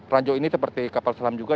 ranjau ini seperti kapal selam juga